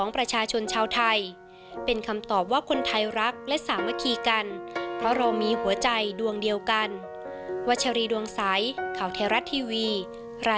บ้านเมืองมากมายนะครับ